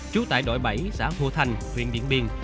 trú tại đội bảy xã hù thanh huyện điện biên